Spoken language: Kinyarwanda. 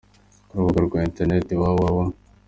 Ku rubuga rwa internet, www.